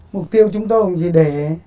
mục tiêu chúng tôi cũng chỉ để